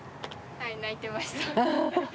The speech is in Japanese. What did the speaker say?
はい泣いてました。